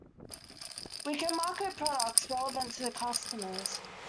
We can market products relevant to customers.